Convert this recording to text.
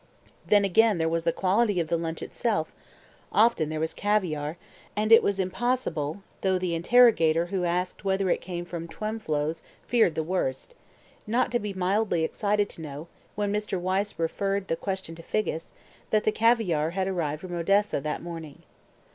Then again there was the quality of the lunch itself: often there was caviare, and it was impossible (though the interrogator who asked whether it came from Twemlow's feared the worst) not to be mildly excited to know, when Mr. Wyse referred the question to Figgis, that the caviare had arrived from Odessa that morning.